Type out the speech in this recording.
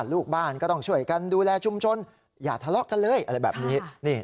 ลูกบ้านก็ต้องช่วยกันดูแลชุมชนอย่าทะเลาะกันเลยอะไรแบบนี้